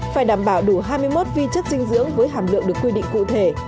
phải đảm bảo đủ hai mươi một vi chất dinh dưỡng với hàm lượng được quy định cụ thể